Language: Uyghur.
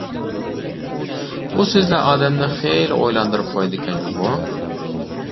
بۇ سۆزلەر ئادەمنى خىلى ئويلاندۇرۇپ قويدىكەن جۇمۇ!